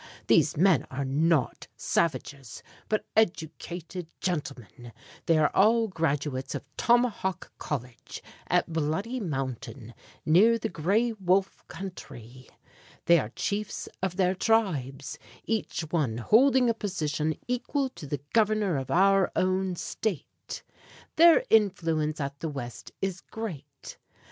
These men are not savages, but educated gentlemen. They are all graduates of Tomahawk College, at Bloody Mountain, near the Gray Wolf country. They are chiefs of their tribes, each one holding a position equal to the Governor of our own State. Their influence at the West is great.